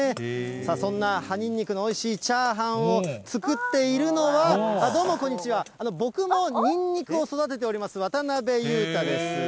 そんな葉ニンニクのおいしいチャーハンを作っているのは、どうもこんにちは、僕もニンニクを育てております渡辺裕太です。